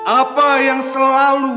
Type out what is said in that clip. apa yang selalu